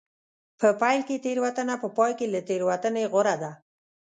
په پیل کې تېروتنه په پای کې له تېروتنې غوره ده.